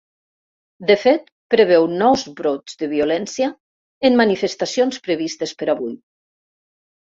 De fet, preveu nous ‘brots de violència’ en manifestacions previstes per avui.